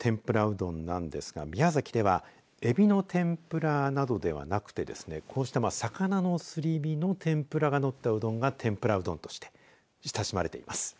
どんなんですが宮崎では、えびの天ぷらなどではなくてですねこうした魚のすり身の天ぷらがのったうどんが天ぷらうどんとして親しまれています。